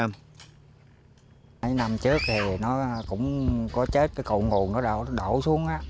mấy năm trước thì nó cũng có chết cái cội nguồn nó đổ xuống á